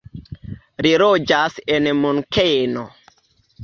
Li loĝas en Munkeno.